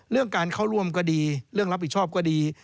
เรื่องการเข้าร่วมก็ดีเรื่องรับผิดชอบก็ดี